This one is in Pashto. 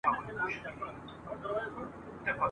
کتاب د انسان ذهن ته نوي نظرونه ورکوي او فکر تازه ساتي هر وخت !.